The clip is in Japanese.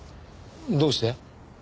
どうして？